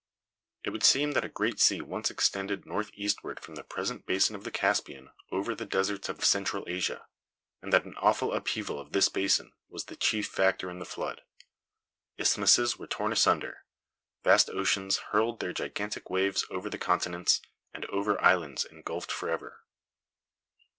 It would seem that a great sea once extended northeastward from the present basin of the Caspian over the deserts of Central Asia; and that an awful upheaval of this basin was the chief factor in the flood. Isthmuses were torn asunder: vast oceans hurled their gigantic waves over the continents, and over islands engulfed forever.